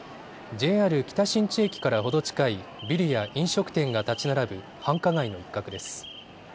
ＪＲ北新地駅から程近いビルや飲食店が建ち並ぶ繁華街の一角です。